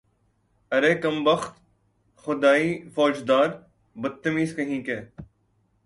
ارے کم بخت، خدائی فوجدار، بدتمیز کہیں کے